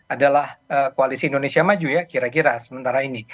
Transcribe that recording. adalah koalisi indonesia maju ya kira kira sementara ini